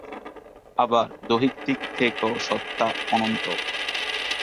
আবার দৈহিক দিক থেকেও সত্তা অনন্ত।